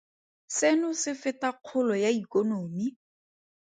Seno se feta kgolo ya ikonomi.